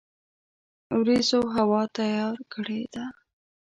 وریځوهوا تیار کړی ده